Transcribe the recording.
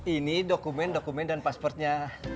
ini dokumen dokumen dan pasportnya